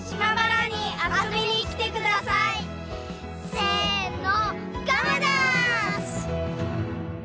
せの！